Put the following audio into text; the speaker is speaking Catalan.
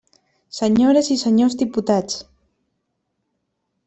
Senyores i senyors diputats.